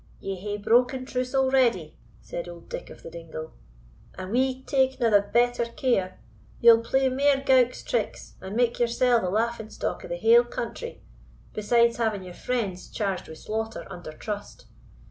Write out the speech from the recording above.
"Ye hae broken truce already," said old Dick of the Dingle; "an we takena the better care, ye'll play mair gowk's tricks, and make yoursell the laughing stock of the haill country, besides having your friends charged with slaughter under trust.